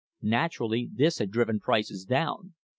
Naturally this had driven prices down.